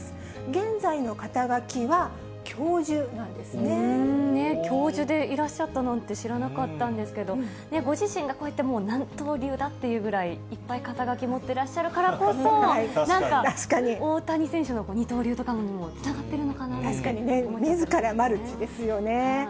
現在の肩教授でいらっしゃったなんて、知らなかったんですけど、ご自身がこうやって何刀流だっていうくらい、いっぱい肩書持ってらっしゃるからこそ、なんか大谷選手の二刀流とかにもつながって確かにね、みずからマルチですよね。